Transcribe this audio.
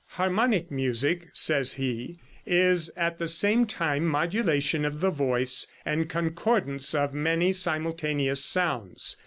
"Harmonic music," says he, "is at the same time modulation of the voice, and concordance of many simultaneous sounds.